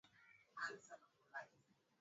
kinywa chako chakauka macho kuwa mekundu